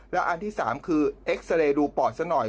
และอันที่๓คือเอ็กซาเรย์ดูปอดซะหน่อย